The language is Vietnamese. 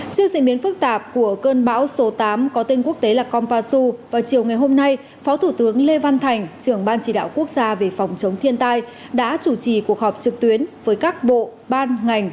trước diễn biến phức tạp của cơn bão số tám có tên quốc tế là kompasu vào chiều ngày hôm nay phó thủ tướng lê văn thành trưởng ban chỉ đạo quốc gia về phòng chống thiên tai đã chủ trì cuộc họp trực tuyến với các bộ ban ngành